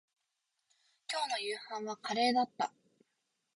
今日の夕飯はカレーだった